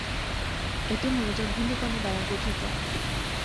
এটি মূলত ধূলিকণা দ্বারা গঠিত।